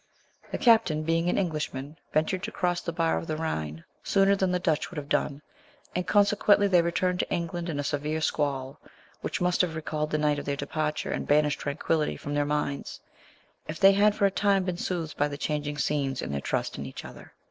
The captain, being an Englishman, ventured to cross the bar of the Rhine sooner than the Dutch would have done, and consequently they returned to England in a severe squall, which must have recalled the night of their departure and banished tranquillity from their minds, if they had for a time been soothed by the changing scenes and their trust in each other.